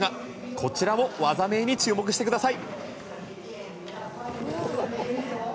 こちらも技名に注目してください。